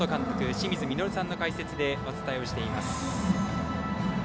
清水稔さんの解説でお伝えをしています。